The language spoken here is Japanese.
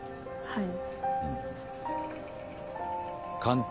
はい。